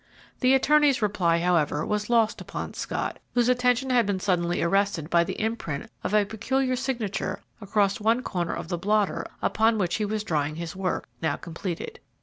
The attorney's reply, however, was lost upon Scott, whose attention had been suddenly arrested by the imprint of a peculiar signature across one corner of the blotter upon which he was drying his work, now completed.